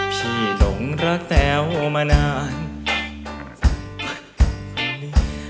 พี่หลงรักแต๋วมานาน